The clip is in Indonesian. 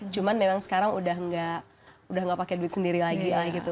cuman memang sekarang udah gak pakai duit sendiri lagi lah gitu